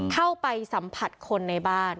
เข้าไปสัมผัสคนในบ้าน